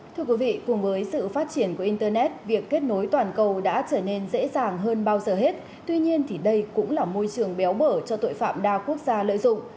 thưa quý vị cùng với sự phát triển của internet việc kết nối toàn cầu đã trở nên dễ dàng hơn bao giờ hết tuy nhiên thì đây cũng là môi trường béo bở cho tội phạm đa quốc gia lợi dụng